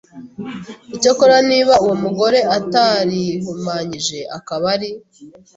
Icyakora niba uwo mugore atarihumanyije akaba ari